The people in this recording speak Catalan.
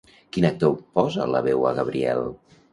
Quin actor posa la veu a Gabriel?